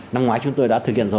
năm ngoái chúng tôi đã thực hiện rồi